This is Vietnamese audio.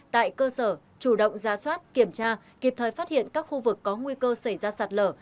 tại cơ sở chủ động ra soát kiểm tra kịp thời phát hiện các khu vực có nguy cơ xảy ra sạt lở